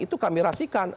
itu kami rasakan